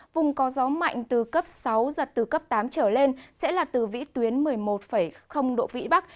vùng có gió mạnh từ cấp sáu giật từ cấp tám trở lên sẽ là từ vĩ tuyến một mươi một độ vĩ bắc